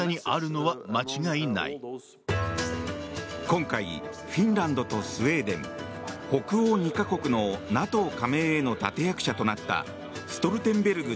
今回フィンランドとスウェーデン北欧２か国のＮＡＴＯ加盟への立役者となったストルテンベルグ